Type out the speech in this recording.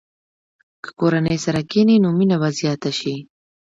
که کورنۍ سره کښېني، نو مینه به زیاته شي.